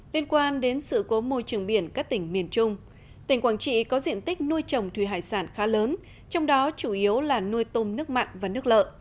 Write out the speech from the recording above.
liên quan đến sự cố môi trường biển các tỉnh miền trung tỉnh quảng trị có diện tích nuôi trồng thủy hải sản khá lớn trong đó chủ yếu là nuôi tôm nước mặn và nước lợ